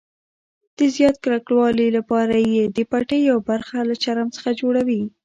د زیات کلکوالي لپاره یې د پټۍ یوه برخه له چرم څخه جوړوي.